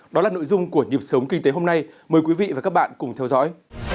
đó là nội dung của nhịp sống kinh tế hôm nay mời quý vị và các bạn cùng theo dõi